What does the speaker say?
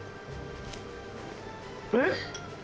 えっ？